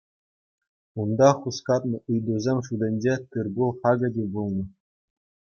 Унта хускатнӑ ыйтусем шутӗнче тыр-пул хакӗ те пулнӑ.